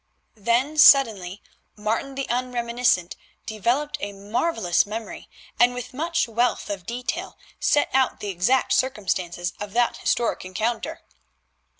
Then suddenly Martin the unreminiscent developed a marvellous memory, and with much wealth of detail set out the exact circumstances of that historic encounter.